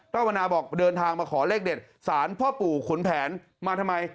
ภาวนาบอกเดินทางมาขอเลขเด็ดสารพ่อปู่ขุนแผนมาทำไม